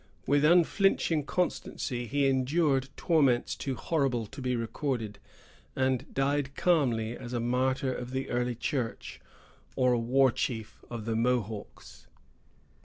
With unflinching constancy he endured torments too horrible to be recorded, and died calmly as a martyr of the early church, or a war chief of the Mohawks.